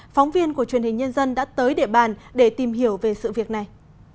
phóng viên của truyền hình nhân dân đã tới địa bàn để tìm hiểu về sự việc này